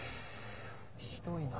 ひどいな。